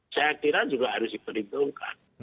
saya kira juga harus diperhitungkan